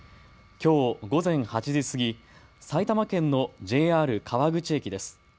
きょう午前８時過ぎ、埼玉県のＪＲ川口駅です。